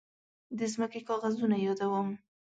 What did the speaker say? د ځمکې کاغذونه يادوم.